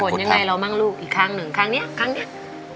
ประสงค์ผลยังไงแล้วมั่งลูกอีกข้างหนึ่งข้างนี้ข้างนี้